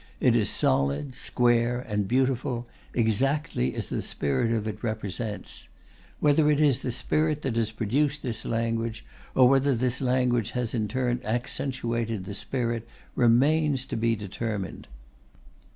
It is solid, square, and beautiful, exactly as the spirit of it represents. Whether it is the spirit that has produced this language or whether this language has in turn accentuated the spirit remains to be determined.